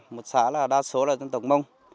một xã là đa số là dân tộc mông